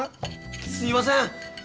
すいません。